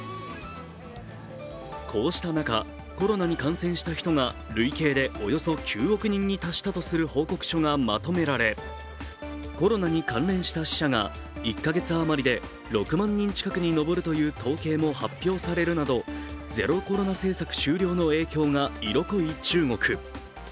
こうした中、コロナに感染した人が累計で９億人に達したという報告書がまとめられ、コロナに関連した死者が１か月余りで６万人余りに上るという統計も発表されるなどゼロコロナ政策終了の影響が色濃い中国。